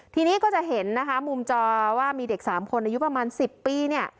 ทีนี้ก็จะเห็นนะคะมุมจอว่ามีเด็ก๓คนอายุประมาณ๑๐ปีเนี่ย